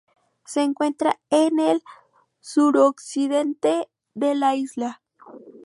Se encuentra en el suroccidente de la isla.